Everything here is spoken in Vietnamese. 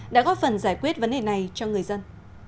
đã góp phần giải quyết vấn đề này cho người dân